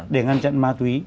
để ngăn chặn ma túy